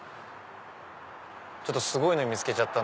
すごいの見つけちゃった。